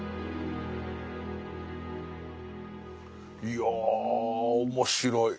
いや面白い。